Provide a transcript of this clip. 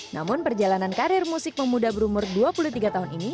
namun perjalanan karir musik pemuda berumur dua puluh tiga tahun ini